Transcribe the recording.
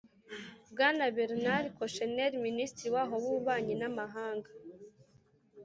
Bwana Bernard Kouchner, minisitiri waho w'ububanyi n'amahanga